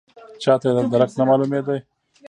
چاته یې درک نه معلومېده.